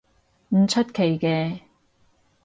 唔出奇嘅